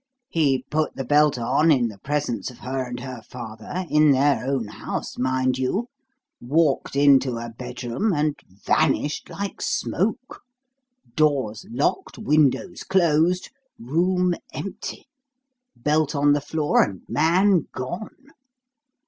He put the belt on in the presence of her and her father in their own house, mind you walked into a bedroom, and vanished like smoke. Doors locked, windows closed, room empty, belt on the floor, and man gone.